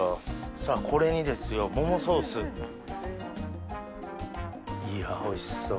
さぁこれにですよ桃ソース。いやおいしそう。